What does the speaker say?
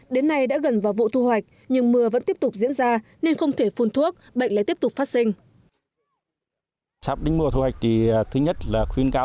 đến nay đã gần vào vụ thu hoạch nhưng mưa vẫn tiếp tục diễn ra nên không thể phun thuốc bệnh lại tiếp tục phát sinh